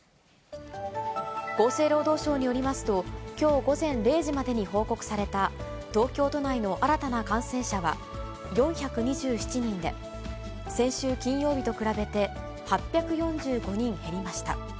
厚生労働省によりますと、きょう午前０時までに報告された東京都内の新たな感染者は４２７人で、先週金曜日と比べて８４５人減りました。